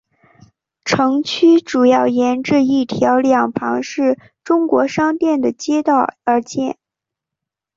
城区主要沿着一条两旁是中国商店的街道而建。